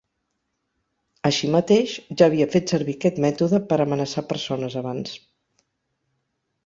Així mateix, ja havia fet servir aquest mètode per amenaçar persones abans.